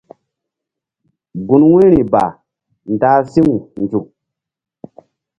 Gun wu̧yri ba ndah si̧w nzuk.